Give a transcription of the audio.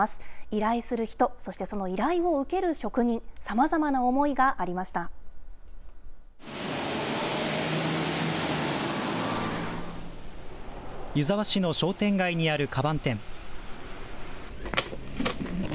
依頼する人、そしてその依頼を受ける職人、さまざまな思いがあり湯沢市の商店街にあるかばん店。